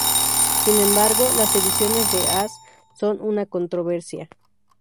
Sin embargo, las ediciones de Haas son una controversia.